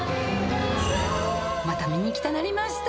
また見に行きたなりました。